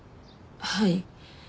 はい。